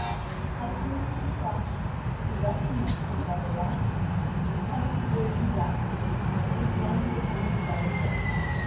As soon as she saw him, she recognised him by the lion, and coming toward him rapidly, she dismounted upon the solid earth.